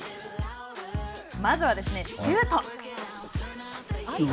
まずはシュート。